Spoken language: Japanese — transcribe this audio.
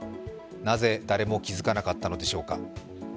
なぜ誰も気付かなかったのでしょうか。